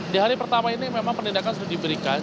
di hari pertama ini memang penindakan sudah diberikan